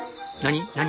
何？